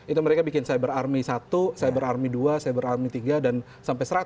itu mereka bikin cyber army satu cyber army dua cyber army tiga dan sampai seratus